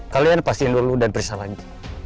kalian pastiin dulu dan periksa lagi